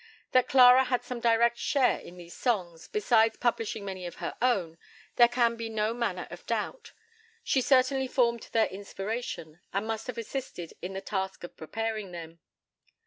That Clara had some direct share in these songs, besides publishing many of her own, there can be no manner of doubt. She certainly formed their inspiration, and must have assisted in the task of preparing them.